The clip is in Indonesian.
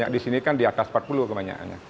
di sini kan di atas empat puluh kebanyakan